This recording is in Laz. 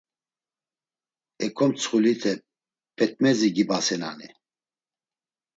Ek̆o mtsxulite p̆et̆mezi gibasenani?